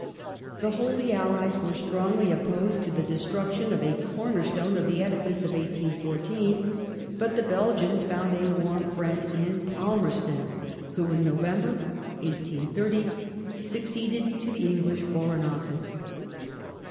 The Holy Allies were strongly opposed to the destruction of a corner stone of the edifice of 1814, but the Belgians found a warm friend in Palmerston who in November, 1830, succeeded to the English Foreign Office.